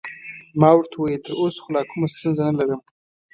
ما ورته وویل: تراوسه خو لا کومه ستونزه نلرم.